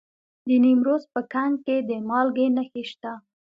د نیمروز په کنگ کې د مالګې نښې شته.